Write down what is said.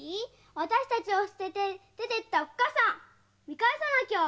あたしたちを捨てて出ていったおっかさん見返さなきゃあ！